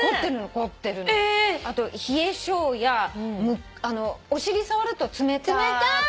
あと冷え性やお尻触ると冷たかったり。